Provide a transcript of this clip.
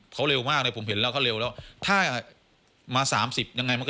เขาเร็วมากเลยผมเห็นแล้วเขาเร็วแล้วถ้ามา๓๐ยังไงมันก็